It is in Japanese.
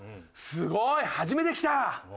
すごい！初めて来た！